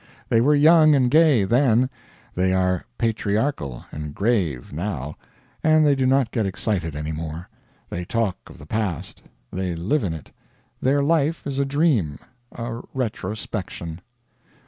They were young and gay, then; they are patriarchal and grave, now; and they do not get excited any more. They talk of the Past. They live in it. Their life is a dream, a retrospection.